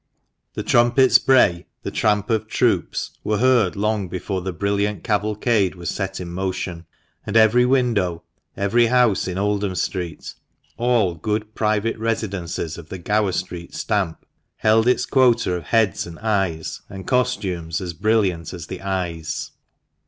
The trumpets' bray, the tramp of troops, were heard long before the brilliant cavalcade was set in motion ; and every window — every house in Oldham Street (all good private residences of the Gower Street stamp) held its quota of heads and eyes and costumes as brilliant as the eyes.